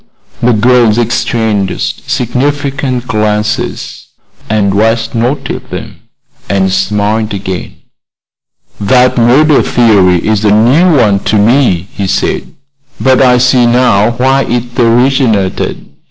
The girls exchanged significant glances, and West noted them and smiled again. "That murder theory is a new one to me," he said; "but I see now why it originated.